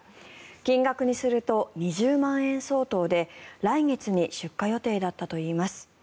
金額にすると２０万円相当で来月に出荷予定だったといいます。